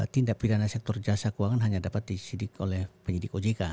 tindak perirana sektor jasa keuangan hanya dapat disedik oleh penyedik ojk